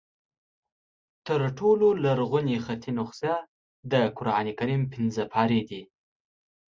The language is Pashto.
تر ټولو لرغونې خطي نسخه د قرآن کریم پنځه پارې دي.